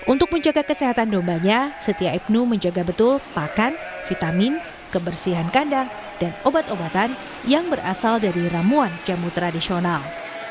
untuk menjaga kesehatan dombanya setia ibnu menjaga betul pakan vitamin kebersihan kandang dan obat obatan yang berasal dari ramuan jamu tradisional